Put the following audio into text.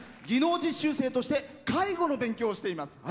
技能実習生として介護の勉強をしています。